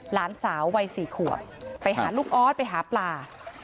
หลานสาววัย๔ขวบไปหาลูกออสไปหาปลา